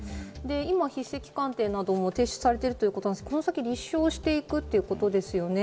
筆跡鑑定もされているということで立証していくということですよね。